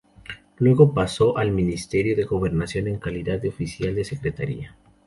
Luego pasó al Ministerio de Gobernación en calidad de Oficial de Secretaría.